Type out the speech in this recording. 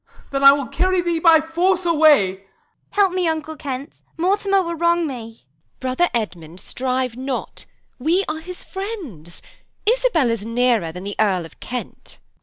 Then I will carry thee by force away. P. Edw. Help, uncle Kent! Mortimer will wrong me. Q. Isab. Brother Edmund, strive not; we are his friends; Isabel is nearer than the Earl of Kent. _Kent.